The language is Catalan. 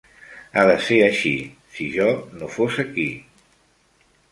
Ha de ser així, si jo no fos aquí.